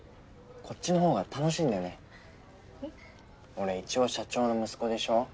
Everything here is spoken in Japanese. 俺一応社長の息子でしょ？